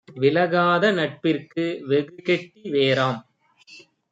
விலகாத நட்பிற்கு வெகுகெட்டி வேராம்;